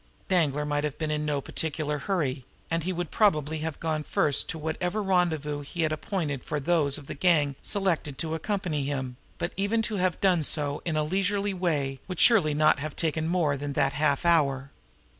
Danglar might have been in no particular hurry, and he would probably have gone first to whatever rendezvous he had appointed for those of the gang selected to accompany him, but even to have done so in a leisurely way would surely not have taken more than that half hour!